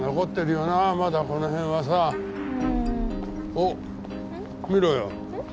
おっ見ろよ。